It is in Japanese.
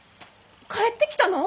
帰ってきたの！？